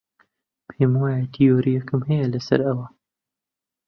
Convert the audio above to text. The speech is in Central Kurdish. پێم وایە تیۆرییەکم هەیە لەسەر ئەوە.